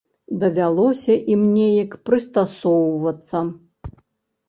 Давялося ім неяк прыстасоўвацца.